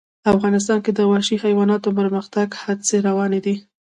افغانستان کې د وحشي حیوانات د پرمختګ هڅې روانې دي.